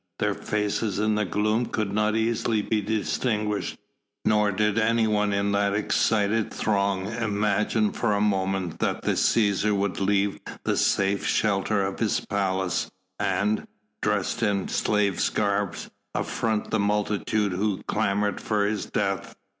Their faces in the gloom could not easily be distinguished, nor did anyone in that excited throng imagine for a moment that the Cæsar would leave the safe shelter of his palace and, dressed in slave's garb, affront the multitude who clamoured for his death.